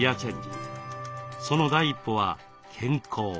その第一歩は健康。